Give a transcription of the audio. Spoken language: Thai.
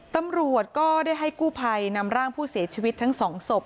ตำรวจก็ได้ให้กู้ภัยนำร่างผู้เสียชีวิตทั้งสองศพ